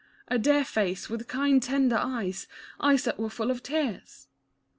A dear face with kind tender eyes, eyes that were full of tears.